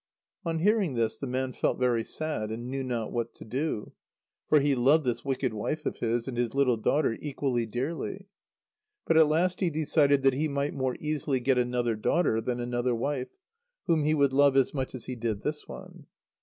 On hearing this, the man felt very sad, and knew not what to do; for he loved this wicked wife of his and his little daughter equally dearly. But at last he decided that he might more easily get another daughter than another wife whom he would love as much as he did this one.